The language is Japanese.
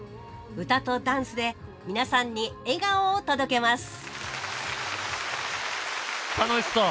歌とダンスで皆さんに笑顔を届けます楽しそう。